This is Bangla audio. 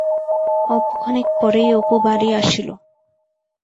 অল্পখানিক পরেই অপু বাড়ি আসিল।